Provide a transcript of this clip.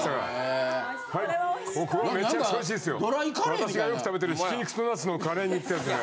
私がよく食べてるひき肉とナスのカレー煮ってやつでね。